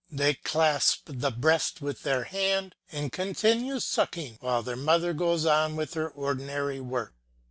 They clasp the breast with their hand and continue sucking while their mother goes on with her ordinary work.